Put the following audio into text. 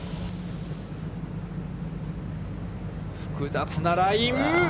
複雑なライン。